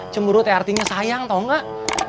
cemburu artinya sayang tau nggak